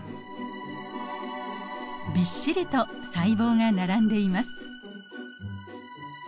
びっしりと細胞が並んでいます。